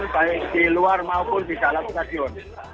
baik di luar maupun di dalam stadion